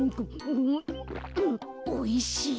おいしい。